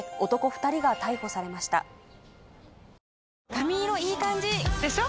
髪色いい感じ！でしょ？